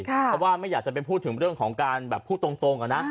เพราะว่าไม่อยากจะไปพูดถึงเรื่องของการแบบพูดตรงนะ